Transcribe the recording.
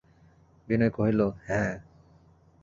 বিনয় কহিল, হাঁ।